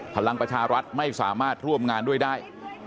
พลังประชารัฐไม่สามารถร่วมงานด้วยได้